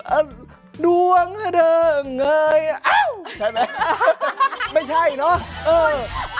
เอ่อดวงเท่าที่เอ่ยใช่ไหมไม่ใช่เนอะ